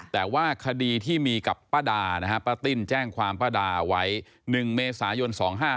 แต่ว่าคดีที่มีกับป้าดานะฮะป้าติ้นแจ้งความป้าดาไว้๑เมษายน๒๕๕๙